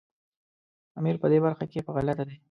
امیر په دې خبره کې په غلطه دی.